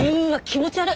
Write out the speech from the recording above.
気持ち悪！